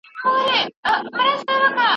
ملا بانګ په ارامه ساه اخلي.